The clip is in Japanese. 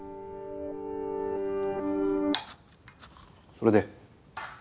それで？